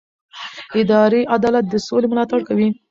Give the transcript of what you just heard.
اداري عدالت د سولې ملاتړ کوي